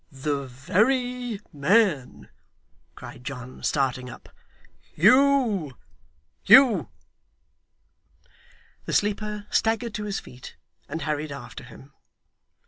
'The very man!' cried John, starting up. 'Hugh! Hugh!' The sleeper staggered to his feet, and hurried after him.